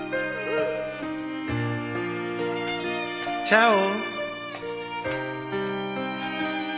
チャオ